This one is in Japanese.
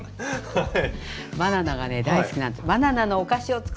はい。